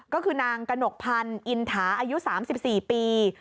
ก็คือนางกระหนกพันธ์อินทาอายุ๓๔ปี